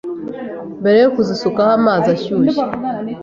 mbere yo kuzisukamo amazi ashyushye